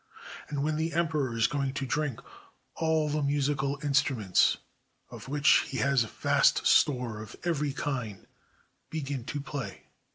And when the emperor is going to drink, all the musical instruments, of which he has vast store of every kind, begin to play.